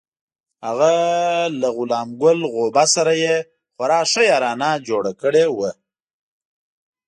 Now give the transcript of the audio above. هغه له غلام ګل غوبه سره یې خورا ښه یارانه جوړه کړې وه.